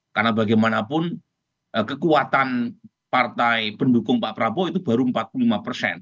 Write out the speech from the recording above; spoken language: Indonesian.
karena bagaimanapun kekuatan partai pendukung pak prabowo itu baru empat puluh lima persen